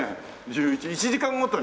１時間ごとに？